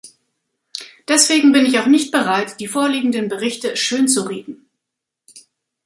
Deswegen bin ich auch nicht bereit, die vorliegenden Berichte schönzureden.